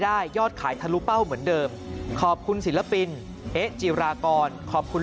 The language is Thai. ยอดขายทะลุเป้าเหมือนเดิมขอบคุณศิลปินเอ๊ะจิรากรขอบคุณ